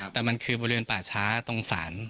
แต่มันคือบริเวณป่าช้าตรงศาล